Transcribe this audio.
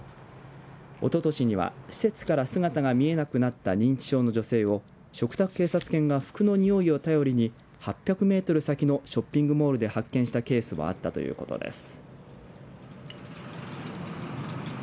おととしには施設から姿が見えなくなった認知症の女性を嘱託警察犬が服のにおいを頼りに８００メートル先のショッピングモールで発見したケースもあったということです。